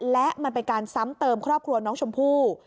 และมันเป็นการซ้ำเติมครอบครัวน้องชมพู่